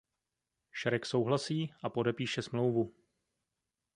Shrek souhlasí a podepíše smlouvu.